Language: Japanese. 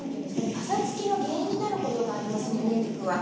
パサつきの原因になることがありますむね肉は。